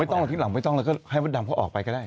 ไม่ต้องละที่หลังไม่ต้องล่ะก็ให้วดดำเขาออกไปก็ได้